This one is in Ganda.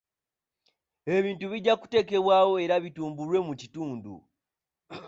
Ebintu bijja kuteekebwawo era bitumbulwe mu kitundu.